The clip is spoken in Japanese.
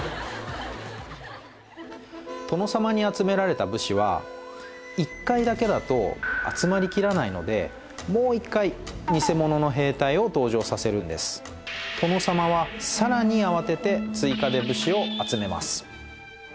殿様に集められた武士は一回だけだと集まりきらないのでもう一回ニセモノの兵隊を登場させるんです殿様はさらに慌てて追加で武士を集めます